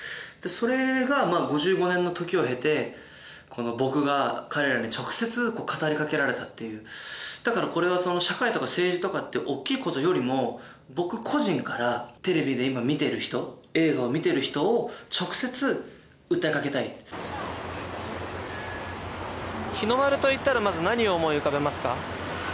それが５５年の時を経てこの僕が彼らに直接語りかけられたっていうだからこれは社会とか政治とかっておっきいことよりも僕個人からテレビで今見てる人映画を見てる人を直接訴えかけたい日の丸といったらまず何を思い浮かべますか？